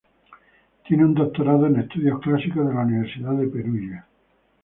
Tiene un doctorado en estudios clásicos de la Universidad de Perugia.